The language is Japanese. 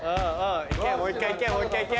いけもう１回いけもう１回いけ！